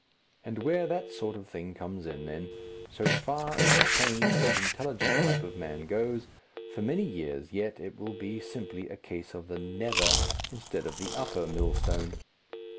And where that sort of thing comes in, then, so far as the trained and intelligent type of man goes, for many years yet it will be simply a case of the nether instead of the upper millstone.